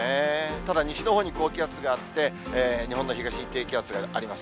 ただ西のほうに高気圧があって、日本の東に低気圧があります。